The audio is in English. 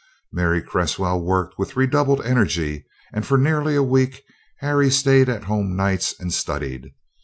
Mary Cresswell worked with redoubled energy, and for nearly a week Harry staid at home nights and studied.